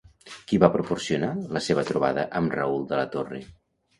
Qui va propiciar la seva trobada amb Raúl de la Torre?